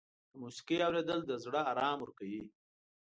د موسیقۍ اورېدل د زړه آرام ورکوي.